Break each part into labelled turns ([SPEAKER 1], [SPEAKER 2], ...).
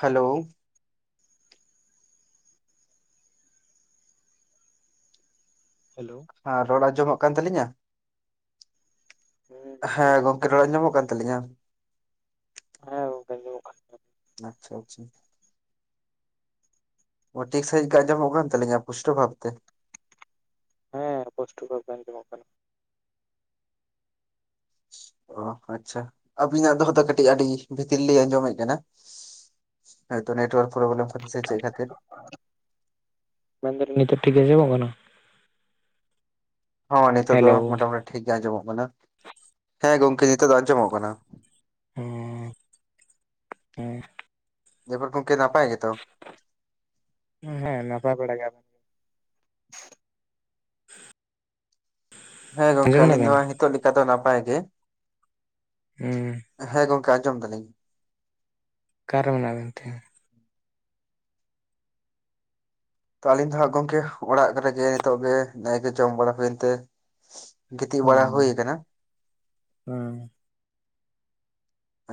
[SPEAKER 1] Hello
[SPEAKER 2] hello
[SPEAKER 1] ᱟᱨ ᱨᱚᱲ ᱟᱸᱡᱚᱢᱚᱜ ᱠᱟᱱ ᱛᱟᱹᱞᱤᱧᱟ᱾ ᱦᱮᱸ
[SPEAKER 2] ᱟᱸᱡᱚᱢᱚᱜ
[SPEAKER 1] ᱜᱚᱝᱠᱮ
[SPEAKER 2] ᱠᱟᱱ
[SPEAKER 1] ᱨᱚᱲ
[SPEAKER 2] ᱛᱟᱵᱮᱱᱟ
[SPEAKER 1] ᱟᱸᱡᱟᱢᱚᱜ ᱠᱟᱱ ᱛᱟᱹᱞᱤᱧᱟ
[SPEAKER 2] [unintelligible]
[SPEAKER 1] ᱟᱪᱪᱷᱟ ᱟᱪᱪᱷᱟ ᱚ ᱴᱷᱤᱠ ᱥᱟᱦᱤᱸᱡᱽ ᱟᱸᱡᱚᱢᱚᱜ ᱠᱟᱱ ᱛᱟᱹᱞᱤᱧᱟ ᱯᱩᱥᱴᱟ ᱵᱷᱟᱯ ᱛᱮ
[SPEAKER 2] ᱦᱮᱸ ᱯᱩᱥᱴᱚ ᱵᱷᱟᱵᱽ ᱜᱮ ᱟᱸᱡᱚᱢᱚᱜ ᱠᱟᱱᱟ᱾
[SPEAKER 1] ᱚ ᱟᱪᱪᱷᱟ ᱟᱵᱤᱱᱟᱜ ᱫᱚᱦᱚ ᱫᱚ ᱠᱟᱹᱴᱤᱡ ᱟᱹᱰᱤ ᱵᱷᱤᱛᱤᱨ ᱞᱤᱧ ᱟᱸᱡᱚᱢᱮᱫ ᱠᱟᱱᱟ᱾ ᱦᱚᱭᱛᱚ ᱱᱮᱴᱣᱟᱨᱠ ᱯᱨᱚᱵᱚᱞᱟᱢ ᱠᱷᱟᱹᱛᱤᱨ ᱥᱮ ᱪᱮᱫ ᱠᱷᱟᱹᱛᱤᱨ
[SPEAKER 2] ᱢᱮᱱ ᱫᱟᱹᱞᱤᱧ ᱱᱤᱛᱚ ᱴᱷᱤᱠ ᱜᱮ ᱟᱸᱡᱚᱢᱚᱜ ᱠᱟᱱᱟ
[SPEAKER 1] ᱦᱚᱸ ᱱᱤᱛᱚᱜ ᱫᱚ
[SPEAKER 2] ᱦᱮᱞᱳ
[SPEAKER 1] ᱢᱚᱴᱟ ᱢᱩᱴᱤ ᱴᱷᱤᱠ ᱜᱮ ᱟᱸᱡᱚᱢᱚᱜ ᱠᱟᱱᱟ ᱦᱮᱸ ᱜᱚᱢᱠᱮ ᱱᱤᱛᱚᱜ ᱫᱚ ᱟᱸᱡᱚᱢᱚᱜ ᱠᱟᱱᱟ᱾
[SPEAKER 2] ᱦᱮᱸ ᱦᱮᱸ
[SPEAKER 1] [unintelligible] ᱜᱚᱝᱠᱮ ᱱᱟᱯᱟᱭ ᱜᱮ ᱛᱚ
[SPEAKER 2] ᱦᱮᱸ ᱦᱮᱸ ᱱᱟᱯᱟᱭ ᱵᱟᱲᱟ ᱜᱮᱭᱟᱵᱮᱱ᱾
[SPEAKER 1] ᱦᱮᱸ ᱜᱚᱝᱠᱮ
[SPEAKER 2] ᱟᱸᱡᱚᱢ
[SPEAKER 1] ᱟᱞᱤᱧ ᱫᱚ
[SPEAKER 2] ᱫᱟᱵᱮᱱ
[SPEAKER 1] ᱦᱤᱛᱚᱜ ᱞᱮᱠᱟ ᱫᱚ ᱱᱟᱯᱟᱭ ᱜᱮ᱾
[SPEAKER 2] ᱦᱩᱸ
[SPEAKER 1] ᱦᱮᱸ ᱜᱚᱝᱠᱮ ᱟᱸᱡᱚᱢ ᱫᱟᱹᱞᱤᱧ
[SPEAKER 2] ᱚᱠᱟᱨᱮ ᱢᱮᱱᱟᱜ ᱵᱮᱱ ᱛᱮ
[SPEAKER 1] ᱛᱚ ᱦᱟᱸᱜ ᱟᱹᱞᱤᱧ ᱫᱚ ᱦᱟᱸᱜ ᱜᱚᱝᱠᱮ ᱚᱲᱟᱜ ᱨᱮᱜᱮ ᱱᱤᱛᱚᱜ ᱜᱮ ᱱᱮᱭ ᱜᱮ ᱡᱚᱢ ᱵᱟᱲᱟ ᱦᱩᱭ ᱮᱱ ᱛᱮ ᱜᱤᱛᱤᱡ ᱵᱟᱲᱟ
[SPEAKER 2] ᱵᱟᱝᱼᱟ
[SPEAKER 1] ᱦᱩᱭ ᱠᱟᱱᱟ
[SPEAKER 2] ᱵᱟᱝ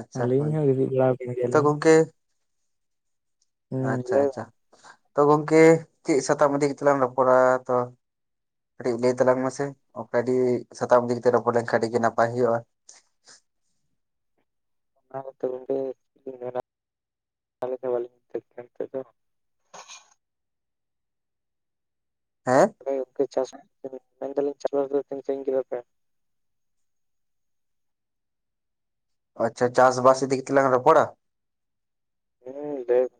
[SPEAKER 1] ᱟᱪᱪᱷᱟ
[SPEAKER 2] ᱟᱹᱞᱤᱧ
[SPEAKER 1] ᱦᱳᱭ
[SPEAKER 2] ᱦᱚᱸ ᱦᱤᱫᱤᱡ ᱵᱟᱲᱟ ᱟᱠᱟᱱ
[SPEAKER 1] ᱛᱚ
[SPEAKER 2] ᱜᱮᱭᱟᱞᱤᱧ᱾
[SPEAKER 1] ᱜᱚᱝᱠᱮ
[SPEAKER 2] ᱦᱩᱸ
[SPEAKER 1] ᱟᱪᱪᱷᱟ
[SPEAKER 2] ᱞᱟᱹᱭ ᱵᱮᱱ᱾
[SPEAKER 1] ᱟᱪᱪᱷᱟ ᱛᱚ ᱜᱚᱝᱠᱮ ᱪᱮᱫ ᱥᱟᱛᱟᱢ ᱤᱫᱤ ᱠᱟᱛᱮ ᱞᱟᱝ ᱨᱚᱯᱚᱲᱟ ᱛᱚ ᱠᱟᱹᱴᱤᱡ ᱞᱟᱹᱭ ᱛᱟᱞᱟᱝ ᱢᱮᱟᱥᱮ ᱚᱠᱟ ᱟᱹᱰᱤ ᱥᱟᱛᱟᱢ ᱫᱤ ᱨᱚᱯᱚᱲ ᱞᱮᱱᱠᱷᱟᱱ ᱟᱹᱰᱤ ᱜᱮ ᱱᱟᱯᱟᱭ ᱦᱩᱭᱩᱜᱼᱟ
[SPEAKER 2] ᱚᱱᱟ ᱜᱮᱛᱚ ᱜᱚᱢᱠᱮ ᱪᱮᱫ ᱞᱤᱧ ᱢᱮᱱᱟ ᱵᱟᱞᱤᱧ [unintelligible] ᱠᱟᱱᱟ ᱱᱤᱛᱚᱜ ᱫᱚ
[SPEAKER 1] ᱦᱮᱸ
[SPEAKER 2] ᱦᱚᱭ ᱜᱚᱝᱠᱮ ᱪᱟᱥ ᱢᱮᱱ ᱫᱟᱹᱞᱤᱧ ᱪᱟᱥᱼᱵᱟᱥ ᱫᱚ ᱛᱤᱱ ᱥᱟᱺᱜᱤᱧ ᱠᱮᱫᱟ ᱯᱮ?
[SPEAKER 1] ᱟᱪᱪᱷᱟ ᱪᱟᱥ ᱵᱟᱥ ᱤᱫᱤ ᱠᱟᱛᱮ ᱞᱟᱝ ᱨᱚᱯᱚᱲᱟ
[SPEAKER 2] ᱦᱩᱸ [unintelligible]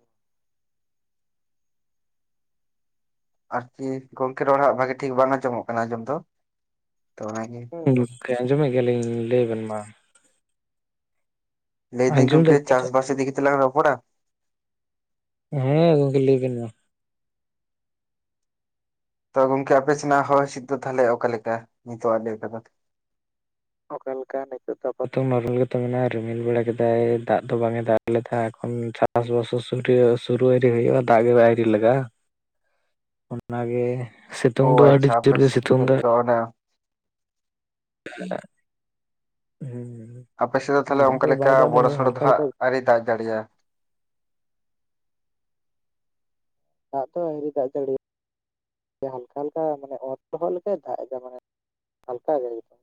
[SPEAKER 1] ᱟᱨᱠᱤ ᱜᱚᱝᱠᱮ ᱨᱚᱲᱟᱜ ᱵᱷᱟᱜᱤ ᱴᱷᱤᱠ ᱵᱟᱝ ᱟᱸᱡᱚᱢᱚᱜ ᱠᱟᱱᱟ ᱟᱸᱡᱚᱢ ᱫᱚ ᱛᱚ ᱚᱱᱟᱜᱮ
[SPEAKER 2] ᱜᱚᱢᱠᱮ ᱟᱸᱡᱚᱢᱮᱫ ᱜᱮᱭᱟᱞᱤᱧ ᱞᱟᱹᱭ ᱵᱮᱱ ᱢᱟ
[SPEAKER 1] ᱞᱟᱹᱭ ᱫᱤᱱ
[SPEAKER 2] ᱟᱸᱡᱚᱢ
[SPEAKER 1] ᱜᱚᱢᱠᱮ
[SPEAKER 2] ᱫᱟᱵᱮᱱ ᱱᱤᱛᱚᱜ
[SPEAKER 1] ᱪᱟᱥ ᱵᱟᱥ ᱤᱫᱤ ᱠᱟᱛᱮ ᱞᱟᱝ ᱨᱚᱯᱚᱲᱟ?
[SPEAKER 2] ᱦᱮᱸ [inaudible] ᱞᱟᱹᱭᱵᱱ ᱢᱟ
[SPEAKER 1] ᱛᱚ ᱜᱚᱝᱠᱮ ᱟᱯᱮ ᱥᱮᱱᱟᱜ ᱦᱚᱭ ᱦᱤᱸᱥᱤᱫ ᱫᱚ ᱛᱟᱦᱚᱞᱮ ᱚᱠᱟᱞᱮ ᱞᱮᱠᱟ ᱱᱤᱛᱚᱜ ᱟᱜ ᱵᱮᱨ ᱠᱟᱛᱷᱟ
[SPEAKER 2] ᱚᱠᱟ ᱞᱮᱠᱟ ᱱᱤᱛᱚᱜ ᱫᱚ ᱟᱯᱟᱛ ᱱᱚᱨᱮᱞ ᱜᱮᱛ ᱢᱮᱱᱟᱜᱼᱟ ᱨᱤᱢᱤᱞ ᱵᱟᱲᱟ ᱠᱮᱫᱟᱭ ᱫᱟᱜ ᱫᱚ ᱵᱟᱝ ᱮ ᱫᱟᱜ ᱞᱮᱠᱷᱟ ᱠᱷᱚᱱ ᱪᱟᱥᱵᱟᱥ ᱥᱩ ᱥᱩᱨᱩ ᱟᱹᱣᱨᱤ ᱦᱩᱭᱩᱜᱼᱟ ᱫᱟᱜ ᱜᱮ ᱟᱹᱣᱨᱤ ᱞᱟᱜᱟᱜᱼᱟ᱾ ᱚᱱᱟᱜᱮ ᱥᱤᱛᱩᱝ ᱫᱚ ᱟᱹᱰᱤ ᱡᱳᱨᱮ ᱥᱤᱛᱩᱝ ᱫᱟ
[SPEAKER 1] ᱛᱚ ᱚᱱᱟ
[SPEAKER 2] [unintelligible] ᱦᱩᱸ
[SPEAKER 1] ᱟᱯᱮᱥᱮᱫ ᱫᱚ ᱛᱟᱦᱞᱮ
[SPEAKER 2] ᱫᱟᱜ
[SPEAKER 1] ᱚᱱᱠᱟ
[SPEAKER 2] ᱵᱟᱭ
[SPEAKER 1] ᱞᱮᱠᱟ
[SPEAKER 2] ᱫᱟᱜ ᱮᱫᱟ
[SPEAKER 1] ᱵᱚᱲᱚ
[SPEAKER 2] ᱱᱤᱭᱟᱹ
[SPEAKER 1] ᱥᱚᱲᱚ ᱫᱚ
[SPEAKER 2] ᱦᱟᱞᱠᱟ
[SPEAKER 1] ᱦᱟᱸᱜ
[SPEAKER 2] ᱦᱟᱞᱠᱟ
[SPEAKER 1] ᱟᱹᱣᱨᱤᱭ ᱫᱟᱜ ᱡᱟᱹᱲᱤᱭᱟᱭ
[SPEAKER 2] ᱫᱟᱜ ᱛᱚ ᱟᱹᱣᱨᱤ ᱫᱟᱜ ᱡᱟᱹᱲᱤ ᱦᱟᱞᱠᱟ ᱦᱟᱞᱠᱟ ᱢᱟᱱᱮ ᱚᱛ ᱞᱚᱦᱚᱫ ᱞᱮᱠᱟᱭ ᱫᱟᱜ ᱮᱫᱟ ᱢᱟᱱᱮ ᱦᱟᱞᱠᱟ ᱜᱮ ᱮᱠᱫᱚᱢ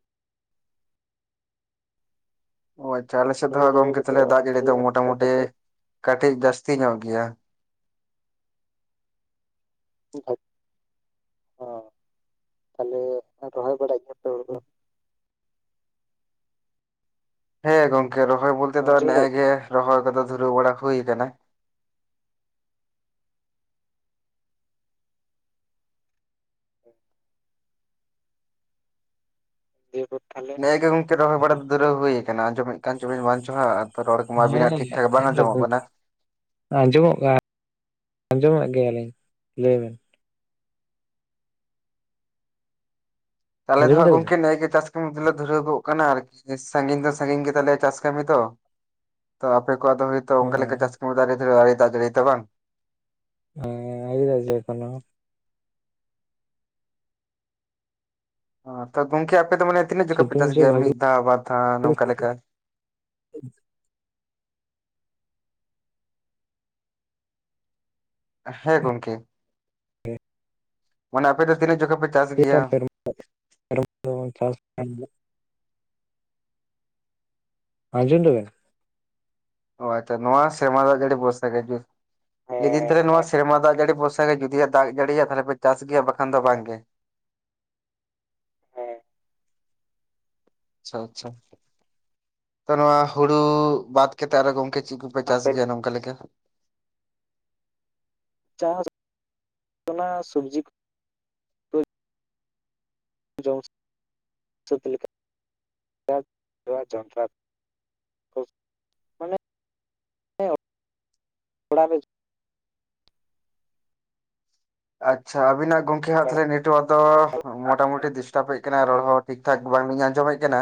[SPEAKER 1] ᱚ ᱟᱪᱪᱷᱟ ᱟᱞᱮ ᱥᱮᱫ ᱫᱚ
[SPEAKER 2] ᱦᱩᱲᱩ
[SPEAKER 1] ᱦᱟᱸᱜ
[SPEAKER 2] ᱨᱚᱦᱚᱭ
[SPEAKER 1] ᱜᱚᱝᱠᱮ
[SPEAKER 2] ᱠᱚᱫᱚ
[SPEAKER 1] ᱛᱟᱦᱞᱮ ᱫᱟᱜ
[SPEAKER 2] ᱟᱹᱣᱨᱤ
[SPEAKER 1] ᱡᱟᱹᱲᱤ ᱫᱚ
[SPEAKER 2] ᱦᱩᱭᱩᱜᱼᱟ
[SPEAKER 1] ᱢᱚᱴᱟ
[SPEAKER 2] ᱱᱤᱛᱚᱜ
[SPEAKER 1] ᱢᱩᱴᱤ
[SPEAKER 2] ᱟᱯᱟᱛᱚ
[SPEAKER 1] ᱠᱟᱹᱴᱤᱡ ᱡᱟᱹᱥᱛᱤ ᱧᱚᱜ ᱜᱮᱭᱟ
[SPEAKER 2] [inaudible] ᱚ ᱛᱟᱦᱚᱞᱮ ᱨᱚᱦᱚᱭ ᱵᱟᱲᱟᱭ ᱜᱮ?
[SPEAKER 1] [unintelligible] ᱦᱮᱸ ᱜᱚᱝᱠᱮ ᱨᱚᱦᱚᱭ ᱵᱚᱞᱛᱮ ᱫᱚ
[SPEAKER 2] ᱟᱸᱡᱚᱢ
[SPEAKER 1] ᱱᱮᱜᱮ
[SPEAKER 2] ᱫᱟᱵᱤᱱ
[SPEAKER 1] ᱜᱮ ᱨᱚᱦᱚᱭ ᱠᱚᱫᱚ ᱫᱷᱩᱨᱟᱹᱣ ᱵᱟᱲᱟ ᱦᱩᱭ ᱟᱠᱟᱱᱟ᱾
[SPEAKER 2] [unintelligible]
[SPEAKER 1] ᱱᱮᱜ ᱜᱮ ᱜᱚᱢᱠᱮ ᱨᱚᱭ ᱵᱟᱲᱟ ᱫᱚ ᱫᱷᱩᱨᱟᱹ ᱦᱩᱭ ᱟᱠᱟᱱᱟ ᱟᱸᱡᱚᱢᱮᱫ ᱠᱟᱱ ᱪᱚᱵᱤᱱ ᱵᱟᱧᱪᱚ ᱨᱚᱲ ᱠᱚ ᱢᱟ ᱵᱤᱱᱟᱜ
[SPEAKER 2] ᱦᱮᱸ
[SPEAKER 1] ᱴᱷᱤᱠ ᱵᱟᱝ
[SPEAKER 2] ᱦᱮᱸ
[SPEAKER 1] ᱟᱱᱡᱚᱢᱚᱜ
[SPEAKER 2] ᱜᱚᱝᱠᱮ
[SPEAKER 1] ᱠᱟᱱᱟᱹ
[SPEAKER 2] ᱟᱸᱡᱚᱢᱚᱜ ᱜᱮ ᱟᱸᱡᱚᱢᱮᱫ ᱜᱮᱭᱟᱞᱤᱧ᱾ ᱞᱟᱹᱭ ᱵᱤᱱ
[SPEAKER 1] [inaudible]
[SPEAKER 2] ᱟᱸᱡᱚᱢ ᱫᱟᱵᱤᱱ
[SPEAKER 1] ᱜᱚᱢᱠᱮ [inaudible] ᱪᱟᱥ [inaudible] ᱫᱷᱩᱨᱟᱹᱣ ᱜᱚᱜ ᱠᱟᱱᱟ ᱟᱨᱠᱤ ᱥᱟᱸᱜᱤᱧ ᱫᱚ ᱥᱟᱸᱜᱤᱧ ᱜᱮᱛᱟᱞᱮᱭᱟ ᱪᱟᱥ ᱠᱟᱹᱢᱤ ᱠᱚ ᱛᱚ ᱟᱯᱮ ᱠᱚᱣᱟᱜ ᱫᱚ ᱦᱳᱭᱛᱳ ᱚᱱᱠᱟ ᱞᱮᱠᱟ ᱪᱟᱥ ᱠᱟᱹᱢᱤ ᱫᱟᱨᱮ [inaudible] ᱛᱚ ᱵᱟᱝ
[SPEAKER 2] [unintelligible]
[SPEAKER 1] ᱛᱚ ᱜᱚᱝᱠᱮ ᱟᱯᱮ ᱫᱚ ᱢᱟᱱᱮ ᱛᱤᱱᱟᱹᱜ ᱡᱚᱠᱷᱚᱱ ᱯᱮ ᱪᱟᱥ
[SPEAKER 2] ᱥᱤᱛᱩᱝ ᱡᱮ
[SPEAKER 1] ᱜᱮᱭᱟ
[SPEAKER 2] ᱵᱷᱟᱜᱤ
[SPEAKER 1] ᱢᱤᱫ ᱫᱷᱟᱣ ᱵᱟᱨ ᱫᱷᱟᱣ ᱱᱚᱝᱠᱟ ᱞᱮᱠᱟ?
[SPEAKER 2] [unintelligible]
[SPEAKER 1] ᱦᱮᱸ ᱜᱚᱝᱠᱮ ᱢᱟᱱᱮ ᱟᱯᱮ ᱫᱚ ᱛᱤᱱᱟᱹᱜ ᱡᱚᱠᱷᱚᱡ ᱯᱮ ᱪᱟᱥ ᱜᱮᱭᱟ?
[SPEAKER 2] [unintelligible] ᱟᱡᱚᱢ ᱞᱮᱱᱟ,
[SPEAKER 1] ᱚ ᱟᱪᱷᱟ ᱱᱚᱣᱟ ᱥᱮᱨᱢᱟ ᱫᱟᱜ [inaudible] ᱞᱮᱫᱤᱱ
[SPEAKER 2] ᱦᱮᱸ
[SPEAKER 1] ᱛᱚᱵᱮ
[SPEAKER 2] ᱚᱱᱟ
[SPEAKER 1] ᱱᱚᱣᱟ ᱥᱮᱨᱢᱟ ᱫᱟᱜ ᱡᱟᱹᱨᱤ ᱵᱚᱥ ᱜᱮ ᱡᱩᱫᱤ ᱮ ᱫᱟᱜ ᱡᱟᱹᱲᱤᱭᱟ ᱛᱟᱦᱚᱞᱮ ᱯᱮ ᱪᱟᱥ ᱜᱮᱭᱟ ᱵᱟᱠᱷᱟᱱ ᱫᱚ ᱵᱟᱝᱜᱮ
[SPEAKER 2] ᱦᱮᱸ
[SPEAKER 1] ᱟᱪᱪᱷᱟ ᱟᱪᱪᱷᱟ ᱛᱚ ᱱᱚᱣᱟ ᱦᱩᱲᱩ ᱵᱟᱫ ᱠᱟᱛᱮᱜ ᱟᱨᱚ ᱜᱚᱝᱠᱮ ᱪᱮᱫ ᱠᱚ? ᱯᱮ ᱪᱟᱥ
[SPEAKER 2] ᱟᱯᱮ
[SPEAKER 1] ᱜᱮᱭᱟ ᱱᱚᱝᱠᱟ ᱞᱮᱫᱟᱹ
[SPEAKER 2] ᱪᱟᱥ ᱚᱱᱟ ᱥᱚᱵᱡᱤ ᱠᱚ ᱡᱚᱢ [inaudible] ᱞᱮᱠᱟ [inaudible] ᱡᱚᱱᱰᱨᱟ ᱠᱚ ᱢᱟᱱᱮ ᱛᱷᱚᱲᱟ [inaudible]
[SPEAKER 1] ᱟᱪᱪᱷᱟ ᱟᱵᱤᱱᱟᱜ ᱜᱚᱝᱠᱮ ᱦᱟᱸᱜ ᱛᱟᱦᱚᱞᱮ ᱱᱮᱴᱚᱣᱟᱨᱠ ᱫᱚ ᱢᱚᱴᱟᱢᱩᱴᱤ ᱰᱤᱥᱴᱟᱵᱮᱫ ᱠᱟᱱᱟ ᱨᱚᱲ ᱦᱚᱸ ᱴᱷᱤᱠ ᱴᱷᱟᱠ ᱵᱟᱝᱞᱤᱧ ᱟᱸᱡᱚᱢᱮᱫ ᱠᱟᱱᱟᱹ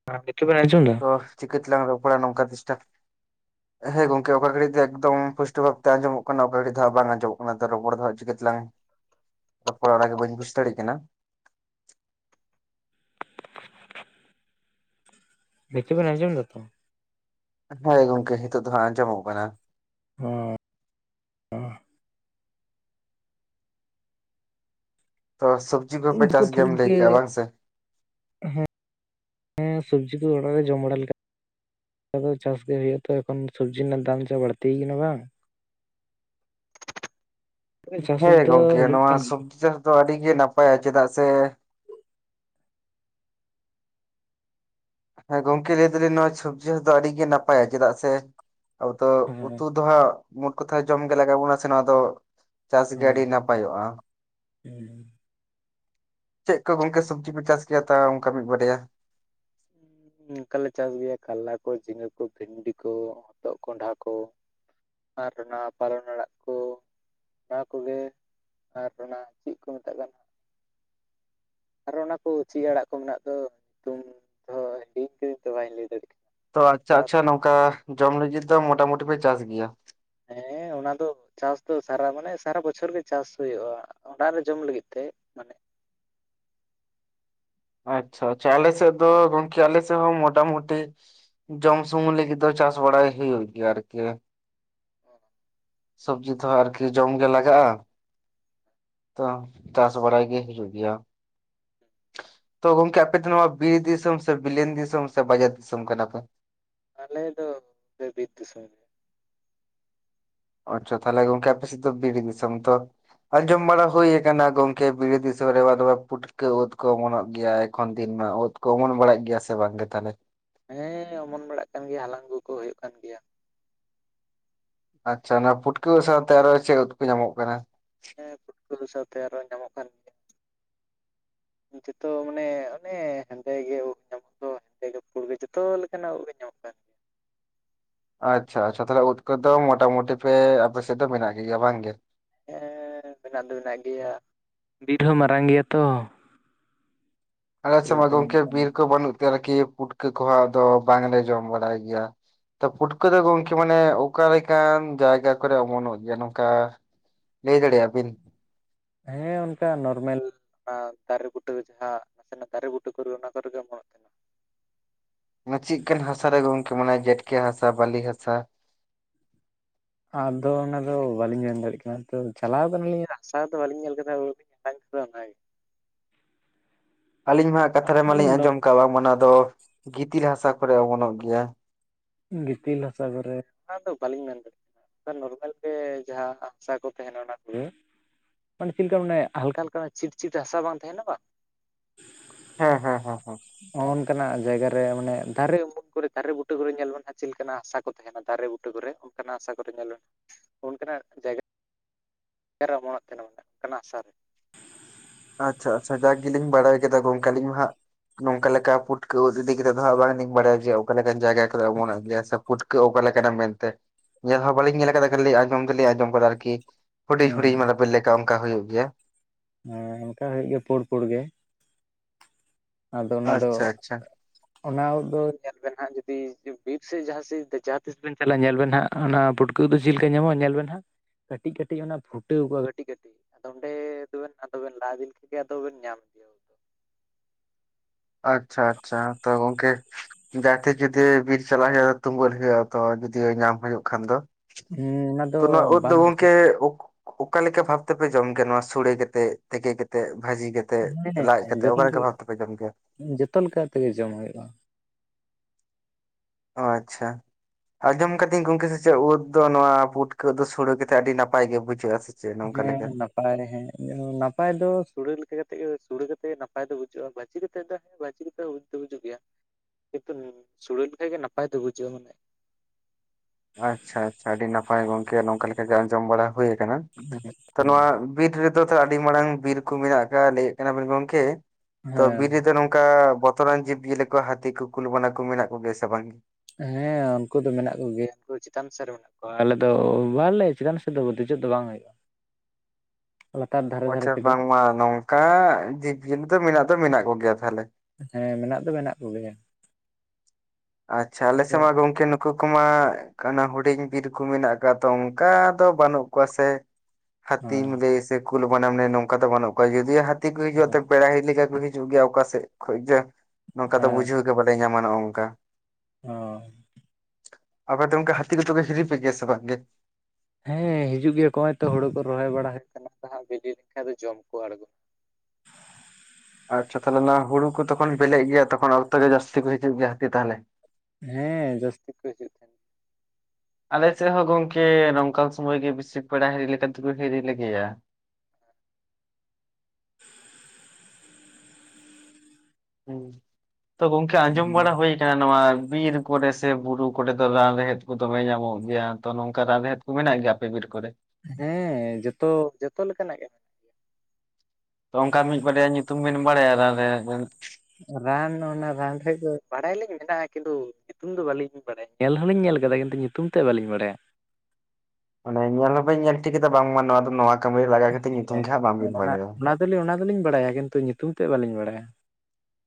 [SPEAKER 2] [unintelligible]
[SPEAKER 1] ᱛᱚ ᱪᱤᱠᱟᱹ ᱛᱮᱞᱟᱝ ᱨᱚᱯᱚᱲᱟ ᱱᱚᱝᱠᱟ ᱰᱤᱥᱴᱟᱵ?
[SPEAKER 2] [unintelligible]
[SPEAKER 1] ᱦᱮᱸ ᱜᱚᱝᱠᱮ ᱚᱠᱟ ᱜᱷᱟᱹᱲᱤᱡ ᱫᱚ ᱮᱠᱚᱢ ᱯᱩᱥᱴ ᱵᱷᱟᱵᱛᱮ ᱟᱸᱡᱚᱢᱚᱜ ᱠᱟᱱᱟ ᱚᱠᱟ ᱜᱷᱟᱲᱤᱡ ᱫᱚ ᱵᱟᱝ ᱟᱸᱡᱚᱢᱚᱜ ᱠᱟᱱᱟ ᱨᱚᱯᱚᱲ ᱫᱚ ᱦᱟᱸᱜ ᱪᱤᱠᱟᱹ ᱛᱮᱞᱟᱝ
[SPEAKER 2] [unintelligible]
[SPEAKER 1] ᱨᱯᱚᱲ ᱚᱲᱟᱜᱮ ᱵᱟᱹᱧ ᱵᱩᱥᱛᱟᱲᱮᱜ ᱠᱟᱱᱟ
[SPEAKER 2] [inaudible] ᱟᱡᱚᱢ ᱫᱟ ᱛᱚ
[SPEAKER 1] ᱦᱮᱸ ᱜᱚᱢᱠᱮ ᱱᱤᱛᱚᱜ ᱫᱚ ᱦᱟᱸᱜ ᱟᱸᱡᱚᱢᱚᱜ ᱠᱟᱱᱟ᱾
[SPEAKER 2] ᱦᱮᱸ
[SPEAKER 1] ᱛᱚ ᱥᱚᱵᱽᱡᱤ ᱠᱚᱯᱮ
[SPEAKER 2] ᱩᱱᱠᱩ
[SPEAKER 1] ᱪᱟᱥ ᱡᱚᱢ ᱞᱟᱹᱭ ᱠᱮᱜᱼᱟ
[SPEAKER 2] ᱛᱟᱦᱞᱮ
[SPEAKER 1] ᱵᱟᱝ ᱥᱮ?
[SPEAKER 2] ᱦᱮᱸ ᱥᱚᱵᱡᱤ ᱠᱚ ᱚᱲᱟᱜ ᱨᱮ ᱡᱚᱢ ᱵᱟᱲᱟ ᱞᱮᱠᱟ ᱪᱟᱥ ᱜᱮ ᱦᱩᱭᱩᱜᱼᱟ ᱛᱚ ᱮᱠᱷᱚᱱ ᱥᱚᱵᱽᱡᱤ ᱨᱮᱱᱟᱜ ᱫᱟᱢ ᱡᱟ ᱵᱟᱲᱛᱤᱭ ᱠᱟᱱᱟ ᱵᱟᱝ᱾ ᱻ
[SPEAKER 1] ᱦᱳᱭ ᱜᱚᱝᱠᱮ ᱱᱚᱣᱟ ᱥᱚᱵᱡᱤ ᱪᱟᱥ ᱫᱚ ᱟᱹᱰᱤ ᱜᱮ ᱱᱟᱯᱟᱭᱟ ᱪᱮᱫᱟᱜ ᱥᱮ ᱦᱮᱸ ᱜᱚᱝᱠᱮ ᱞᱟᱹᱭ ᱫᱟᱞᱤᱧ ᱱᱚᱣᱟ ᱥᱚᱵᱡᱤ ᱫᱚ ᱟᱹᱰᱤ ᱜᱮ ᱱᱟᱯᱟᱭᱟᱹ ᱪᱮᱫᱟᱜ ᱥᱮ ᱟᱵ ᱛᱚ
[SPEAKER 2] ᱦᱮᱸ
[SPEAKER 1] ᱩᱛᱩ ᱫᱚᱦᱟᱸᱜ ᱢᱳᱴ ᱠᱚᱛᱷᱟ ᱡᱚᱢ ᱜᱮ ᱞᱟᱜᱟᱣ ᱵᱚᱱᱟ ᱥᱮ ᱱᱚᱣᱟ ᱫᱚ ᱪᱟᱥ ᱜᱮ ᱟᱹᱰᱤ
[SPEAKER 2] ᱦᱮᱸ
[SPEAKER 1] ᱱᱟᱯᱟᱭᱚᱜᱼᱟ ᱪᱮᱫ ᱠᱚ ᱜᱚᱝᱠᱮ ᱥᱚᱵᱽᱡᱤ ᱯᱮ ᱪᱟᱥ ᱠᱮᱭᱟ ᱛᱟᱣ ᱚᱱᱠᱟ ᱢᱤᱫ ᱵᱟᱨᱭᱟ?
[SPEAKER 2] [unintelligible] ᱚᱱᱠᱟ ᱞᱮᱠᱟ ᱜᱮᱭᱟ ᱠᱟᱨᱞᱟ ᱠᱚ ᱡᱷᱤᱸᱜᱟᱹ ᱠᱚ ᱵᱷᱤᱱᱰᱤ ᱠᱚ ᱦᱚᱛᱚᱫ ᱠᱚᱸᱰᱷᱟ ᱠᱚ ᱟᱨ ᱚᱱᱟ ᱯᱟᱞᱚᱝ ᱟᱲᱟᱜ ᱠᱚ ᱚᱱᱟ ᱠᱚᱜᱮ ᱟᱨ ᱚᱱᱟ ᱪᱮᱫ ᱠᱚ ᱢᱮᱛᱟᱜ ᱠᱟᱱᱟ, ᱟᱨᱚ ᱚᱱᱟ ᱠᱚ ᱪᱮᱫ ᱟᱲᱟᱜ ᱠᱚ ᱢᱮᱱᱟᱜ ᱫᱚ [inaudible] ᱦᱤᱲᱤᱧ ᱠᱟᱹᱫᱤᱧ ᱛᱚ ᱵᱟᱹᱧ ᱞᱟᱹᱭ ᱫᱟᱲᱮᱭᱟᱜ ᱠᱟᱱᱟ
[SPEAKER 1] ᱛᱚ ᱟᱪᱪᱷᱟ ᱟᱪᱪᱷᱟ ᱱᱚᱝᱠᱟ ᱡᱚᱢ ᱞᱟᱹᱜᱤᱫ ᱫᱚ ᱢᱚᱴᱟ ᱢᱩᱩᱴᱤ ᱯᱮ ᱪᱟᱥ ᱜᱮᱭᱟ᱾
[SPEAKER 2] ᱦᱮᱸ ᱚᱱᱟ ᱫᱚ ᱪᱟᱥ ᱫᱚ ᱥᱟᱨᱟ ᱢᱟᱱᱮ ᱥᱟᱨᱟ ᱵᱚᱪᱷᱚᱨ ᱜᱮ ᱪᱟᱥ ᱦᱩᱭᱩᱜᱼᱟ᱾ ᱚᱲᱟᱜ ᱨᱮ ᱡᱚᱢ ᱞᱟᱹᱜᱤᱫ ᱛᱮ᱾ ᱢᱟᱱᱮ
[SPEAKER 1] ᱟᱪᱪᱷᱟ ᱟᱪᱪᱷᱟ ᱟᱞᱮᱥᱮᱫ ᱫᱚ ᱜᱚᱢᱠᱮ ᱟᱞᱮ ᱥᱮᱫ ᱦᱚᱸ ᱢᱚᱴᱟᱟᱢᱩᱴᱤ ᱡᱚᱢ ᱥᱩᱢᱩᱝ ᱞᱟᱹᱜᱤᱫ ᱫᱚ ᱪᱟᱥ ᱵᱟᱲᱟᱭ ᱦᱩᱭᱩᱜ ᱜᱮᱭᱟ ᱟᱨᱠᱤ᱾
[SPEAKER 2] [unintelligible]
[SPEAKER 1] ᱥᱚᱵᱽᱡᱤ ᱫᱚ ᱟᱨᱠᱤ ᱡᱚᱢᱜᱮ ᱞᱟᱜᱟᱜᱼᱟ᱾ ᱛᱚ ᱪᱟᱥ ᱵᱟᱲᱟᱭ ᱜᱮ ᱦᱤᱭᱩᱜ ᱜᱮᱭᱟ᱾ ᱜᱚᱢᱠᱮ ᱟᱯᱮ ᱫᱚ ᱱᱚᱣᱟ ᱵᱤᱨ ᱫᱤᱥᱚᱢ ᱥᱮ ᱵᱤᱞᱮᱱ ᱫᱤᱥᱚᱢ ᱥᱮ ᱵᱟᱡᱟᱨ ᱫᱤᱥᱚᱢ ᱠᱟᱱᱟ ᱯᱮ
[SPEAKER 2] ᱟᱞᱮ ᱫᱚᱮ ᱵᱤᱨ ᱫᱤᱥᱚᱢ ᱨᱮ
[SPEAKER 1] ᱟᱪᱪᱷᱟ ᱛᱟᱦᱚᱞᱮ ᱜᱚᱝᱠᱮ ᱟᱯᱮᱥᱮᱫ ᱫᱚ ᱵᱤᱨ ᱫᱤᱥᱚᱢ ᱛᱚ ᱟᱸᱡᱚᱢ ᱵᱟᱲᱟ
[SPEAKER 2] ᱚᱲᱟᱜ᱾
[SPEAKER 1] ᱦᱩᱭ ᱟᱠᱟᱱᱟ ᱜᱚᱝᱠᱮ [unintelligible] ᱵᱤᱨᱤ ᱫᱤᱥᱚᱢ ᱨᱮ ᱵᱟᱝ ᱫᱚ ᱯᱩᱴᱠᱟᱹ ᱚᱛ ᱠᱚ ᱚᱢᱚᱱᱚᱜ ᱜᱮᱭᱟ ᱮᱠᱷᱚᱱ ᱫᱤᱱ ᱢᱟ, ᱚᱛ ᱠᱚ ᱚᱢᱚᱱ ᱵᱟᱲᱟᱭᱮᱫ ᱜᱮᱭᱟ ᱥᱮ ᱵᱟᱝᱜᱮ ᱛᱟᱦᱚᱞᱮ?
[SPEAKER 2] ᱦᱮᱸ ᱚᱢᱚᱱ ᱵᱟᱲᱟᱜ ᱠᱟᱱ ᱜᱮᱭᱟ ᱦᱟᱞᱟᱝ ᱟᱹᱜᱩ ᱠᱚ ᱦᱩᱭᱩᱜ ᱠᱟᱱ ᱜᱮᱭᱟ᱾
[SPEAKER 1] ᱟᱪᱪᱷᱟ ᱚᱱᱟ ᱯᱩᱴᱠᱟᱹᱣ ᱥᱟᱶᱛᱮ ᱟᱨᱚ ᱪᱮᱫ ᱩᱫ ᱠᱚ ᱧᱟᱢᱚᱜ ᱠᱟᱱᱟ?
[SPEAKER 2] ᱦᱸ ᱯᱷᱩᱴᱠᱟᱹ ᱫᱚ ᱥᱟᱶᱛᱮ ᱟᱨᱚ ᱧᱟᱢᱚᱜ ᱠᱟᱱ ᱜᱮᱭᱟ ᱡᱚᱛᱚ ᱢᱟᱱᱮ ᱚᱱᱮ ᱦᱮᱸᱫᱮ ᱜᱮ ᱩᱵ ᱧᱟᱢᱚᱜ ᱫᱚ ᱦᱮᱸᱫᱮ ᱜᱮᱮ ᱯᱩᱲᱜᱮ ᱡᱚᱛᱚ ᱞᱮᱠᱟᱱᱟᱜ ᱩᱵ ᱜᱮ ᱧᱟᱢᱚᱜ ᱠᱟᱱᱟ᱾
[SPEAKER 1] ᱟᱪᱪᱷᱟ ᱟᱪᱪᱷᱟ ᱛᱟᱦᱚᱞᱮ ᱩᱫ ᱠᱟᱹ ᱫᱚ ᱢᱚᱴᱟᱢᱩᱴᱤ ᱯᱮ ᱟᱯᱮ ᱥᱮᱫ ᱫᱚ ᱢᱮᱱᱟᱜ ᱜᱮᱜᱭᱟ ᱵᱟᱝ ᱜᱮ᱾
[SPEAKER 2] ᱦᱮᱸ ᱢᱮᱱᱟᱜ ᱫᱚ ᱢᱮᱱᱟᱜ ᱜᱮᱭᱟ ᱵᱤᱨ ᱦᱚᱸ ᱢᱟᱨᱟᱝ ᱜᱮᱭᱟ ᱛᱚ
[SPEAKER 1] ᱟᱞᱮ ᱥᱮᱫ
[SPEAKER 2] ᱩᱫ
[SPEAKER 1] ᱢᱟ
[SPEAKER 2] ᱫᱚ ᱧᱟᱢᱚᱜ
[SPEAKER 1] ᱜᱚᱢᱠᱮ
[SPEAKER 2] ᱠᱟᱱ
[SPEAKER 1] ᱵᱤᱨ
[SPEAKER 2] ᱜᱮᱭᱟ
[SPEAKER 1] ᱠᱚ ᱵᱟᱹᱱᱩᱜ ᱛᱮ ᱟᱨᱠᱤ ᱯᱩᱴᱠᱟᱹ ᱠᱚᱦᱚᱸ ᱟᱫᱚ ᱵᱟᱝᱞᱮ ᱡᱚᱢ ᱵᱟᱲᱟᱭ ᱜᱮᱭᱟ᱾ ᱛᱚ ᱯᱩᱴᱠᱟᱹ ᱫᱚ ᱜᱚᱝᱠᱮ ᱢᱟᱱᱮ ᱚᱠᱟ ᱞᱮᱠᱟᱱ ᱡᱟᱭᱜᱟ ᱠᱚᱨᱮ ᱚᱢᱚᱱᱚᱜ ᱜᱮᱭᱟ? ᱱᱚᱝᱠᱟ ᱞᱟᱹᱭ ᱫᱟᱲᱮᱭᱟᱜ ᱵᱤᱱ
[SPEAKER 2] ᱦᱮᱸ ᱚᱱᱠᱟ ᱱᱚᱨᱢᱮᱞ ᱚᱱᱟ ᱫᱟᱨᱮ ᱵᱩᱴᱟᱹ ᱡᱟᱦᱟᱸ ᱱᱟᱥᱮᱱᱟᱜ ᱫᱟᱨᱮ ᱵᱩᱴᱟᱹ ᱠᱚᱨᱮ ᱚᱱᱟ ᱠᱚᱨᱮᱜᱮ ᱮᱢᱚᱱᱚᱜ ᱛᱟᱦᱮᱱᱟ ᱾
[SPEAKER 1] ᱪᱮᱫ ᱞᱮᱠᱟᱱ ᱦᱟᱥᱟ ᱨᱮ ᱜᱚᱢᱠᱮ ᱢᱟᱱᱮ ᱡᱟᱴᱠᱮ ᱦᱟᱥᱟ ᱵᱟᱹᱞᱤ ᱦᱟᱥᱟ?
[SPEAKER 2] ᱟᱫᱚ ᱚᱱᱟᱫᱚ ᱵᱟᱞᱤᱧ ᱢᱮᱱ ᱫᱟᱲᱮᱭᱟᱜ ᱠᱟᱱᱟ ᱛᱚ ᱪᱟᱞᱟᱣ ᱠᱟᱱᱟᱞᱤᱧ ᱦᱟᱥᱟ ᱫᱚ ᱵᱟᱹᱞᱤᱧ ᱧᱮᱞ ᱠᱮᱫᱟ ᱟᱭ ᱫᱚ ᱚᱱᱟᱜᱮ
[SPEAKER 1] ᱟᱞᱤᱧ ᱢᱟ ᱠᱟᱛᱷᱟ ᱨᱮ ᱢᱟᱞᱤᱧ ᱟᱸᱡᱚᱢ ᱟᱠᱟᱜᱼᱟ ᱚᱱᱟ ᱫᱚ ᱜᱤᱛᱤᱞ ᱦᱟᱥᱟ ᱠᱚᱨᱮ ᱚᱢᱚᱱᱚᱜ ᱜᱮᱭᱟ᱾
[SPEAKER 2] ᱜᱤᱛᱤᱞ ᱦᱟᱥᱟ ᱠᱚᱨᱮ, ᱚᱱᱟᱫᱚ ᱵᱟᱹᱞᱤᱧ ᱢᱮᱱ ᱫᱟᱲᱮᱭᱟᱜᱼᱟ᱾ ᱱᱚᱨᱢᱟᱞ ᱜᱮ ᱡᱟᱦᱟᱸ ᱦᱥᱟ ᱠᱚ ᱛᱟᱦᱮᱱᱟ ᱚᱱᱟ ᱠᱚᱫᱚ᱾ ᱢᱟᱱᱮ ᱪᱮᱫ ᱞᱮᱠᱟ ᱢᱟᱱᱮ ᱦᱟᱞᱠᱟ ᱦᱟᱠᱠᱟ ᱪᱤᱴᱪᱤᱴ ᱦᱟᱥᱟ ᱵᱟᱝ ᱛᱟᱦᱮᱱᱟ ᱵᱟᱝ
[SPEAKER 1] ᱦᱮᱸ ᱦᱮᱸ ᱦᱮᱸ ᱦᱮᱸ
[SPEAKER 2] ᱱᱚᱜ ᱱᱚᱱᱠᱟᱱᱟᱜ ᱡᱟᱭᱜᱟ ᱨᱮ ᱢᱟᱱᱮ ᱫᱟᱨᱮ ᱩᱢᱩᱞ ᱠᱚᱨᱮ ᱫᱟᱨᱮ ᱵᱩᱴᱟᱹ ᱠᱚᱨᱮ ᱧᱮᱞ ᱢᱮ᱾ ᱪᱮᱫ ᱞᱮᱠᱟᱱᱟᱜ ᱦᱟᱥᱟ ᱠᱚ ᱛᱟᱦᱮᱱᱟ ᱫᱟᱨᱮ ᱵᱩᱴᱟᱹ ᱠᱚᱨᱮ ᱚᱱᱠᱟᱱᱟᱜ ᱦᱟᱥᱟ ᱠᱚᱨᱮ ᱧᱮᱞ ᱞᱮ ᱚᱱᱠᱟᱱᱟᱜ ᱡᱟᱭᱜᱟ [unintelligible]
[SPEAKER 1] ᱟᱪᱪᱷᱟ ᱟᱪᱪᱷᱟ ᱡᱟᱠᱞᱤᱧ ᱵᱟᱲᱟᱭ ᱠᱮᱫᱟ ᱜᱚᱝᱠᱮ ᱟᱞᱤᱧ ᱢᱟ ᱦᱟᱸᱜ ᱱᱚᱝᱠᱟ ᱞᱮᱠᱟ ᱯᱩᱴᱠᱟᱹ ᱤᱫᱤ ᱠᱟᱛᱮ ᱫᱚ ᱦᱟᱜ ᱵᱟᱝ ᱤᱧ ᱵᱟᱲᱟᱭᱟ ᱡᱮ ᱚᱠᱟ ᱞᱮᱠᱟᱱ ᱡᱟᱭᱜᱟ ᱠᱚᱨᱮ ᱚᱢᱚᱱᱚᱜ ᱜᱮᱭᱟ ᱯᱷᱩᱴᱠᱟᱹ ᱚᱠᱟᱞᱮᱠᱟᱱᱟ ᱢᱮᱱᱛᱮ ᱧᱮᱞ ᱦᱚᱸ ᱵᱟᱞᱤᱧ ᱧᱮᱞ ᱟᱠᱟᱫᱟ ᱠᱷᱟᱹᱞᱤ ᱟᱸᱡᱚᱢ ᱫᱚᱞᱤᱧ ᱟᱸᱡᱚᱢ ᱟᱠᱟᱫᱟ ᱟᱨᱠᱤ᱾ ᱦᱩᱰᱤᱧ ᱦᱩᱰᱤᱧ
[SPEAKER 2] ᱦᱮᱸ
[SPEAKER 1] ᱢᱟᱱᱮ ᱵᱮᱞᱮ ᱞᱮᱠᱟ ᱚᱱᱠᱟ ᱦᱩᱭᱩᱜ ᱜᱮᱭᱟ᱾
[SPEAKER 2] ᱦᱮᱸ ᱚᱱᱠᱟ ᱦᱩᱭᱩᱜ ᱜᱮᱭᱟ ᱯᱩᱲ ᱯᱩᱲ ᱜᱮ ᱟᱫᱚ ᱚᱱᱟ ᱫᱚ
[SPEAKER 1] ᱟᱪᱪᱷᱟ ᱟᱪᱪᱷᱟ
[SPEAKER 2] ᱚᱱᱟ ᱫᱚ ᱧᱮᱞ ᱵᱮᱱ ᱦᱟᱸᱜ ᱡᱩᱫᱤ ᱵᱤᱨ ᱥᱮᱫ ᱡᱟᱦᱟᱸ ᱥᱮᱫ ᱡᱟᱦᱟᱸ ᱛᱤᱥ ᱵᱮᱱ ᱪᱟᱞᱟᱜᱼᱟ ᱧᱮᱞ ᱵᱮᱱ ᱦᱟᱸᱜ ᱚᱱᱟ ᱯᱷᱩᱴᱠᱟᱹ ᱫᱚ ᱪᱮᱫ ᱞᱮᱠᱟ ᱧᱟᱢᱚᱜᱼᱟ ᱧᱮᱞ ᱵᱮᱱ ᱦᱟᱸᱜ ᱠᱟᱹᱴᱤᱡ ᱠᱟᱹᱴᱤᱡ ᱚᱱᱟ ᱯᱷᱩᱴᱟᱹᱣ ᱠᱚᱣᱟ ᱠᱟᱹᱴᱤᱡ ᱠᱟᱹᱴᱤᱡ ᱟᱫᱚ ᱚᱸᱰᱮ ᱟᱵᱮᱱ ᱟᱫᱚᱵᱮᱱ ᱞᱟᱦ ᱤᱫᱤ ᱞᱮᱠᱷᱟᱡ ᱜᱮ ᱟᱫᱚᱚᱵᱮᱱ ᱧᱟᱢ ᱠᱮᱭᱟ᱾
[SPEAKER 1] ᱟᱪᱪᱷᱟ ᱟᱪᱪᱷᱟ ᱛᱚ ᱜᱚᱝᱠᱮ ᱡᱟᱛᱮ ᱡᱩᱫᱤ ᱵᱤᱨ ᱪᱟᱞᱟᱜ ᱦᱩᱭᱩᱜᱼᱟ ᱛᱩᱢᱵᱟᱹᱞ ᱦᱳᱜᱼᱟ ᱛᱚ ᱡᱩᱫᱤ ᱧᱟᱢ ᱦᱩᱭᱩᱜ ᱠᱷᱟᱱ ᱫᱚ᱾
[SPEAKER 2] ᱦᱮᱸ ᱚᱱᱟ
[SPEAKER 1] ᱛ
[SPEAKER 2] ᱫᱚ
[SPEAKER 1] ᱱᱚᱶᱟ ᱩᱫ ᱫᱚ
[SPEAKER 2] ᱵᱟᱝ
[SPEAKER 1] ᱜᱚᱝᱠᱮ
[SPEAKER 2] ᱩᱪᱤᱛ
[SPEAKER 1] ᱚᱠᱟᱞᱮᱠᱟ ᱵᱷᱟᱵ ᱛᱮᱯᱮ ᱡᱚᱢ ᱜᱮᱭᱟ ᱱᱚᱣᱟ? ᱥᱚᱲᱮ ᱠᱟᱛᱮ, ᱛᱮᱠᱮ ᱠᱟᱛᱮᱜ, ᱵᱷᱟᱹᱡᱤ ᱠᱟᱛᱮᱜ? ᱞᱟᱡ
[SPEAKER 2] ᱦᱮᱸ
[SPEAKER 1] ᱠᱟᱛᱮ
[SPEAKER 2] ᱡᱚᱛᱚ
[SPEAKER 1] ᱚᱠᱟ ᱞᱮᱠᱟ ᱵᱷᱟᱵ ᱛᱮᱯᱮ ᱡᱚᱢ ᱜᱮᱭᱟ?
[SPEAKER 2] ᱡᱚᱛᱚ ᱞᱮᱠᱟ ᱛᱮᱜᱮ ᱡᱚᱢ ᱦᱩᱭᱩᱜᱼᱟ
[SPEAKER 1] ᱚ ᱟᱪᱪᱷᱟ ᱟᱸᱡᱚᱢ ᱠᱟᱹᱛᱤᱧ ᱜᱚᱝᱠᱮ ᱥᱮ ᱪᱮᱫ ᱩᱫ ᱫᱚ ᱱᱚᱣᱟ ᱯᱩᱴᱠᱟᱹ ᱫᱚ ᱥᱳᱲᱮ ᱠᱟᱛᱮ ᱟᱹᱰᱤ ᱱᱟᱯᱟᱭ ᱜᱮ ᱵᱩᱡᱷᱟᱹᱜᱼᱟ ᱥᱮ ᱪᱮᱫ ᱱᱚᱝᱠᱟ
[SPEAKER 2] ᱦᱮᱸ
[SPEAKER 1] ᱞᱮᱠᱟ
[SPEAKER 2] ᱱᱟᱯᱟᱭ ᱦᱮᱸ ᱱᱟᱯᱟᱭ ᱫᱚ ᱥᱳᱲᱮ ᱞᱮᱠᱟ ᱠᱟᱛᱮ ᱜᱮ ᱥᱳᱲᱮ ᱠᱟᱛᱮ ᱱᱟᱯᱟᱭ ᱫᱚ ᱵᱩᱡᱟᱹᱜᱼᱟ [unintelligible] ᱪᱤ ᱠᱟᱛᱮᱫ ᱫᱚ ᱦᱮᱸ ᱵᱟᱪᱤ ᱞᱮᱠᱟ ᱵᱩᱡᱽ ᱫᱚ ᱵᱩᱡᱩᱜ ᱜᱮᱭᱟ ᱠᱤᱱᱛᱩ ᱥᱳᱲᱮ ᱞᱮᱠᱷᱟᱱ ᱜᱮ ᱱᱟᱯᱟᱭ ᱫᱚ ᱵᱩᱡᱷᱟᱹᱜᱼᱟ ᱢᱟᱱᱮ
[SPEAKER 1] ᱟᱪᱪᱷᱟ ᱟᱪᱪᱷᱟ ᱟᱹᱰᱤ ᱱᱟᱯᱟᱭ ᱜᱚᱝᱠᱮ ᱱᱚᱝᱠᱟ ᱞᱮᱠᱟ ᱜᱮ ᱟᱸᱡᱚᱢ ᱵᱟᱲᱟ ᱦᱳᱭ ᱠᱟᱱᱟ ᱛᱚ ᱱᱟᱣᱟ ᱵᱤᱨ ᱨᱮᱫᱚ ᱛᱟᱦᱚᱞᱮ ᱟᱹᱰᱤ ᱢᱟᱨᱟᱝ ᱵᱤᱨ ᱠᱚ ᱢᱮᱱᱟᱜ ᱟᱠᱟᱫ ᱞᱟᱹᱭᱮᱫ ᱠᱟᱱᱟᱵᱤᱱ ᱜᱚᱝᱠᱮ ᱛᱚ
[SPEAKER 2] ᱦᱮᱸ
[SPEAKER 1] ᱵᱤᱨ ᱨᱮᱫᱚ ᱱᱚᱝᱠᱟ ᱵᱚᱛᱚᱨᱟᱱ ᱡᱤᱵᱽ ᱡᱤᱭᱟᱹᱞᱤ ᱠᱚ ᱦᱟᱹᱛᱤ ᱠᱚ ᱠᱩᱞ ᱵᱚᱱᱟ ᱠᱚ ᱢᱮᱱᱟᱜ ᱠᱚᱜᱮᱭᱟ ᱥᱮ ᱵᱟᱝᱜᱮ
[SPEAKER 2] ᱦᱮᱸ ᱩᱱᱠᱩ ᱫᱚ ᱢᱮᱱᱟᱜ ᱠᱚᱜᱮᱭᱟ ᱩᱱᱠᱩ ᱪᱮᱛᱟᱱ ᱥᱮᱫ ᱨᱮ ᱟᱞᱮ ᱫᱚ ᱵᱟᱞᱮ ᱪᱮᱛᱟᱱ ᱥᱮᱫ ᱫᱚ ᱫᱮᱡᱚᱜ ᱫᱚ ᱵᱟᱝ ᱦᱩᱭᱩᱜᱼᱟ ᱞᱟᱛᱟᱨ ᱫᱷᱟ
[SPEAKER 1] ᱳ ᱟᱪᱪᱷᱟ ᱵᱟᱝᱢᱟ ᱱᱚᱝᱠᱟ ᱡᱤᱵᱽ ᱡᱤᱭᱟᱹᱞᱤ ᱫᱚ ᱢᱮᱱᱟᱜ ᱫᱚ ᱢᱮᱱᱟᱜ ᱠᱚᱜᱮᱭᱟ ᱛᱟᱦᱚᱞᱮ
[SPEAKER 2] ᱦᱮᱸ ᱢᱮᱱᱟᱜ ᱫᱚ ᱢᱮᱱᱟᱜ ᱠᱚᱜᱮᱭᱟ
[SPEAKER 1] ᱟᱪᱪᱷᱟ ᱟᱞᱮ ᱥᱮ
[SPEAKER 2] ᱟᱫᱚ
[SPEAKER 1] ᱢᱟ ᱜᱚᱢᱠᱮ ᱩᱱᱠᱩ ᱠᱚᱢᱟ ᱦᱩᱰᱤᱧ ᱵᱤᱨ ᱠᱚ ᱢᱮᱱᱟᱜ ᱠᱟᱜᱼᱟ ᱛᱚ ᱚᱱᱠᱟ ᱫᱚ ᱵᱟᱹᱱᱩᱜ ᱠᱚᱣᱟ ᱥᱮ ᱦᱟᱹᱛᱤᱢ
[SPEAKER 2] ᱦᱮᱸ
[SPEAKER 1] ᱞᱟᱹᱭ ᱥᱮ ᱠᱩᱞ ᱵᱟᱱᱟᱢ ᱞᱟᱹᱭ ᱱᱚᱝᱠᱟ ᱫᱚ ᱵᱟᱹᱱᱩᱜ ᱠᱚᱣᱟ ᱡᱩᱫᱤ ᱳ ᱦᱟᱹᱛᱤ ᱠᱚ ᱦᱤᱡᱩᱜᱼᱟ ᱛᱚ ᱯᱮᱲᱟ ᱦᱤᱨᱤ ᱞᱮᱠᱟ ᱠᱚ ᱦᱤᱡᱩᱜᱼᱟ ᱦᱤᱡᱩᱜ ᱜᱮᱭᱟ ᱚᱠᱟᱥᱮᱫ ᱠᱷᱚᱡ ᱡᱮ ᱱᱚᱝᱠᱟ ᱫᱚ
[SPEAKER 2] ᱦᱮᱸ
[SPEAKER 1] ᱵᱩᱡᱷᱟᱹᱣ ᱜᱮ ᱵᱟᱞᱮ ᱧᱟᱢᱟ ᱱᱚᱜᱼ ᱱᱚᱝᱠᱟ
[SPEAKER 2] ᱳ
[SPEAKER 1] ᱟᱯᱮ ᱫᱚ ᱚᱱᱠᱟ ᱦᱟᱹᱛᱤ ᱠᱚ ᱫᱚ ᱠᱚ ᱦᱤᱨᱤ ᱯᱮ ᱜᱮᱭᱟ ᱥᱮ ᱵᱟᱝ ᱜᱮ
[SPEAKER 2] ᱦᱮᱸ ᱦᱤᱡᱩᱜ ᱜᱮᱭᱟ ᱠᱚ ᱦᱚᱜᱼᱚᱭ ᱛᱚ ᱦᱳᱲᱳ ᱠᱚ ᱨᱚᱦᱚᱭ ᱵᱟᱲᱟ ᱦᱩᱭᱩᱜ ᱠᱟᱱᱟ ᱦᱟᱸᱜ ᱵᱤᱞᱤ ᱞᱮᱱᱠᱷᱟᱱ ᱫᱚ ᱡᱚᱢ ᱠᱚ ᱟᱲᱜᱳᱱᱟ
[SPEAKER 1] ᱟᱪᱪᱷᱟ ᱛᱟᱦᱚᱞᱮ ᱚᱱᱟ ᱦᱩᱲᱩ ᱠᱚ ᱛᱚᱠᱷᱚᱱ ᱵᱮᱞᱮᱜ ᱜᱮᱭᱟ ᱛᱚᱠᱷᱚᱱ ᱚᱠᱛᱚ ᱜᱮ ᱡᱟᱹᱥᱛᱤ ᱠᱚ ᱦᱤᱡᱩᱜ ᱜᱮᱭᱟ ᱦᱟᱹᱛᱤ ᱛᱟᱦᱚᱞᱮ
[SPEAKER 2] ᱦᱮᱸ ᱡᱟᱹᱥᱛᱤ ᱠᱚ ᱦᱤᱡᱩᱜ ᱛᱟᱦᱮᱸᱱ
[SPEAKER 1] ᱟᱞᱮ ᱥᱮᱫ ᱦᱚᱸ ᱜᱚᱝᱠᱮ ᱱᱚᱝᱠᱟᱱ ᱥᱚᱢᱚᱭ ᱜᱮ ᱵᱮᱥᱤ ᱯᱮᱲᱟ ᱦᱤᱨᱤ ᱞᱮᱠᱟ ᱛᱮᱠᱚ ᱦᱤᱨᱤ ᱞᱮᱜᱮᱭᱟ ᱦᱩᱸ ᱛᱚ ᱜᱚᱝᱠᱮ ᱟᱸᱡᱚᱢ ᱵᱟᱲᱟ ᱦᱳᱭ ᱱᱚᱣᱟ ᱵᱤᱨ ᱠᱚᱨᱮ ᱥᱮ ᱵᱩᱨᱩ ᱠᱚᱨᱮ ᱫᱚ ᱨᱟᱱ ᱨᱮᱦᱮᱫ ᱠᱚ ᱫᱚᱢᱮ ᱧᱟᱢᱚᱜ ᱜᱮᱭᱟ ᱛᱚ ᱱᱚᱝᱠᱟ ᱨᱟᱱ ᱨᱮᱦᱮᱫ ᱢᱮᱱᱟᱜ ᱜᱮᱭᱟ ᱟᱯᱮ ᱵᱤᱨ ᱠᱚᱨᱮ
[SPEAKER 2] ᱦᱮᱸ ᱡᱚᱛᱚ ᱡᱚᱛᱚ ᱞᱮᱠᱟᱱᱟᱜ ᱜᱮ ᱜᱮᱭᱟ᱾
[SPEAKER 1] ᱛᱚ ᱚᱱᱠᱟ ᱢᱤᱫ ᱵᱟᱨᱭᱟ ᱧᱩᱛᱩᱢ ᱵᱮᱱ ᱵᱟᱲᱟᱭᱟ ᱨᱟᱱ ᱨᱮᱦᱮᱫᱽ ᱨᱮᱱᱟᱜ
[SPEAKER 2] ᱨᱟᱱ ᱚᱱᱟ ᱨᱟᱱ ᱨᱮᱦᱮᱫ ᱠᱚ ᱫᱚ ᱵᱟᱲᱟᱭᱟᱞᱤᱧ ᱢᱮᱱᱟᱜᱼᱟ ᱠᱤᱱᱛᱩ ᱧᱩᱛᱩᱢ ᱫᱚ ᱵᱟᱞᱤᱧ ᱵᱟᱲᱟᱭᱟ ᱧᱮᱞ ᱦᱚᱸᱞᱤᱧ ᱧᱮᱞ ᱠᱟᱫᱟ ᱠᱤᱱᱛᱩ ᱧᱩᱛᱩᱢ ᱛᱮᱫ ᱵᱟᱹᱞᱤᱧ ᱵᱟᱲᱟᱭᱟ
[SPEAKER 1] ᱢᱟᱱᱮ ᱧᱮᱞ ᱦᱚᱸᱵᱤᱱ ᱧᱮᱞ ᱴᱷᱤᱠ ᱮᱫᱟ ᱵᱟᱝᱢᱟ ᱱᱚᱣᱟ ᱫᱚ ᱱᱚᱣᱟ ᱠᱟᱹᱢᱤ ᱨᱮ ᱞᱟᱜᱟᱜᱼᱟ ᱠᱤᱱᱛᱩ ᱧᱩᱛᱩᱢ ᱜᱮ ᱦᱟᱸᱜ ᱵᱟᱝ
[SPEAKER 2] ᱦᱮᱸ
[SPEAKER 1] ᱵᱤᱱ
[SPEAKER 2] ᱚᱱᱟ
[SPEAKER 1] ᱵᱟᱲᱟᱭᱟ
[SPEAKER 2] ᱚᱱᱟ ᱚᱱᱟ ᱫᱚᱞᱤᱧ ᱵᱟᱲᱟᱭᱟ ᱠᱤᱱᱛᱩ ᱧᱩᱛᱩᱢ ᱛᱮᱫ ᱵᱟᱹᱞᱤᱧ ᱵᱟᱲᱟᱭᱟ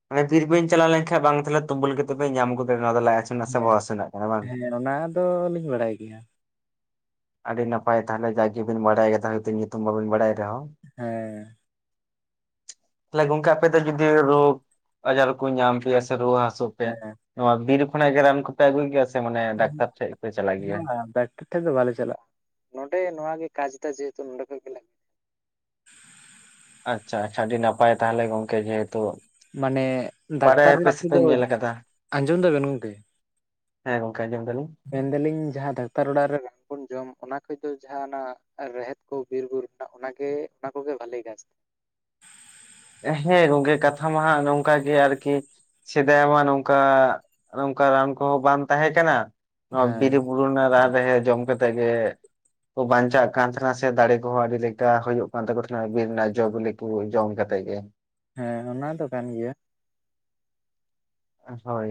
[SPEAKER 1] [inaudible] ᱛᱤᱨᱮ ᱵᱤᱱ ᱪᱟᱞᱟᱣ ᱞᱮᱱ ᱠᱷᱟᱡ ᱵᱟᱝ ᱛᱟᱦᱚᱞᱮ ᱛᱩᱢᱟᱹᱞ ᱠᱟᱛᱮ ᱵᱤᱱ ᱧᱟᱢ ᱜᱚᱫᱟ ᱱᱚᱣᱟ ᱫᱚ ᱞᱟᱡᱪᱽ ᱦᱟᱥᱩ
[SPEAKER 2] ᱦᱮᱸ ᱦᱮᱸ ᱚᱱᱟ ᱫᱚ ᱞᱤᱧ ᱵᱟᱲᱟᱭ ᱜᱮᱭᱟ
[SPEAKER 1] ᱟᱹᱰᱤ ᱱᱟᱯᱟᱭ ᱛᱟᱦᱚᱞᱮ ᱡᱟᱜᱮᱵᱤᱱ ᱵᱟᱲᱟᱭ ᱠᱟᱫᱟ ᱦᱚᱭᱛᱚ ᱧᱩᱛᱩᱢ ᱵᱟᱵᱤᱱ ᱵᱟᱲᱟᱭ ᱨᱮᱦᱚᱸ
[SPEAKER 2] ᱦᱮᱸ
[SPEAKER 1] ᱛᱟᱦᱚᱞᱮ ᱜᱚᱝᱠᱮ ᱟᱯᱮ ᱫᱚ ᱡᱩᱫᱤ ᱨᱳᱜᱽ ᱟᱡᱟᱨ ᱠᱚ ᱧᱟᱢ ᱯᱮᱭᱟ ᱥᱮ ᱨᱩᱣᱟᱹ ᱦᱟᱹᱥᱩ ᱱᱚᱣᱟ ᱵᱤᱨ ᱠᱷᱚᱱᱟᱜ ᱜᱮ ᱨᱟᱱ ᱠᱚᱯᱮ ᱟᱹᱜᱩᱭ ᱜᱮᱭᱟ ᱥᱮ ᱢᱟᱱᱮ ᱰᱟᱠᱛᱟᱨ ᱴᱷᱮᱡ ᱯᱮ ᱪᱟᱞᱟᱜ ᱜᱮᱭᱟ
[SPEAKER 2] [unintelligible] ᱴᱷᱮᱱ ᱫᱚ ᱵᱟᱞᱮ ᱪᱟᱞᱟᱜᱼᱟ ᱱᱚᱰᱮ ᱱᱚᱣᱟ ᱜᱮ ᱠᱟᱡ ᱫᱚ ᱡᱮᱦᱮᱛᱩ ᱱᱚᱰᱮ ᱠᱷᱚᱡ ᱜᱮ ᱞᱟᱜᱼᱟ
[SPEAKER 1] ᱟᱪᱪᱷᱟ ᱟᱪᱪᱷᱟ ᱟᱹᱰᱤ ᱱᱟᱯᱟᱭ ᱛᱟᱦᱚᱞᱮ ᱜᱚᱝᱠᱮ ᱡᱮᱦᱮᱛᱩ
[SPEAKER 2] ᱢᱟᱱᱮ ᱰᱟᱠᱛᱟᱨ
[SPEAKER 1] ᱵᱟᱲᱟᱭᱟᱯᱮ
[SPEAKER 2] ᱨᱮᱲᱟᱜ
[SPEAKER 1] ᱥᱮᱯᱮ
[SPEAKER 2] ᱠᱚᱫᱚ,
[SPEAKER 1] ᱧᱮᱞ ᱟᱠᱟᱫᱟ
[SPEAKER 2] ᱟᱸᱡᱚᱢ ᱫᱟ ᱜᱟᱱᱚᱜ ᱜᱤᱭᱟ᱾
[SPEAKER 1] ᱦᱮᱸ ᱜᱚᱝᱠᱮ ᱟᱡᱚᱢ ᱫᱟᱞᱤᱧ
[SPEAKER 2] ᱢᱮᱱ ᱫᱟᱞᱤᱧ ᱡᱟᱦᱟᱸ ᱰᱟᱠᱛᱟᱨ ᱚᱲᱟᱜ ᱨᱮ ᱨᱟᱱ ᱠᱚ ᱡᱚᱢ ᱚᱱᱟ ᱜᱚᱡ ᱫᱚ ᱡᱟᱦᱟᱸ ᱟᱱᱟ ᱨᱮᱦᱮᱫ ᱠᱚ ᱵᱤᱨᱼᱵᱩᱨᱩ ᱨᱮᱱᱟᱜ ᱚᱱᱟᱜᱮ ᱚᱱᱟ ᱠᱚᱜᱮ ᱵᱷᱟᱹᱞᱮ ᱠᱟᱡᱽ
[SPEAKER 1] ᱦᱮᱸ ᱜᱚᱝᱠᱮ ᱠᱟᱛᱷᱟ ᱢᱟ ᱚᱱᱮ ᱱᱚᱝᱠᱟ ᱜᱮ ᱟᱨᱠᱤ ᱥᱮᱫᱟᱭ ᱢᱟ ᱱᱚᱝᱠᱟ ᱱᱚᱝᱠᱟ ᱨᱟᱱ ᱠᱚᱦᱚᱸ ᱵᱟᱝ ᱛᱟᱦᱮᱸ ᱠᱟᱱᱟ ᱱᱚᱣᱟ ᱵᱤᱨ
[SPEAKER 2] ᱦᱮᱸ
[SPEAKER 1] ᱵᱩᱨᱩ ᱨᱟᱜ ᱨᱮᱦᱮᱫ ᱡᱚᱢ ᱠᱟᱛᱮᱜ ᱜᱮ ᱠᱚ ᱵᱟᱧᱪᱟᱜ ᱠᱟᱱ ᱛᱟᱦᱮᱸᱱᱟ ᱥᱮ ᱫᱟᱲᱮ ᱠᱚᱦᱚᱸ ᱟᱹᱰᱤ ᱞᱮᱠᱟ ᱦᱩᱭᱩᱜ ᱠᱟᱱ ᱛᱟᱠᱚ ᱛᱟᱦᱮᱸᱱᱟ ᱵᱤᱨ ᱨᱮᱱᱟᱜ ᱡᱚ ᱵᱤᱞᱤ ᱠᱚ ᱡᱚᱢ ᱠᱟᱛᱮ ᱛᱮᱜᱮ
[SPEAKER 2] ᱦᱮᱸ ᱚᱱᱟ ᱫᱚ ᱠᱟᱱ ᱜᱮᱭᱟ
[SPEAKER 1] ᱦᱳᱭ